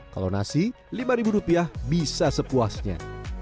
kalau nasi lima rupiah bisa sepuasnya